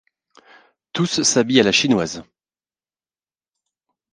Tous s'habillent à la chinoise.